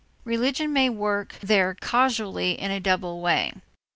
Religion may work there causally in a double way.